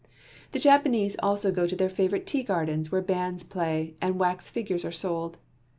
The Japanese also go to their favourite tea gardens where bands play, and wax figures are sold.